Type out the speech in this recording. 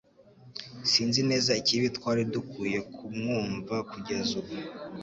Sinzi neza ikibi Twari dukwiye kumwumva kugeza ubu